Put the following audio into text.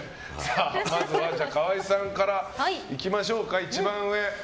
まずは川合さんからいきましょうか。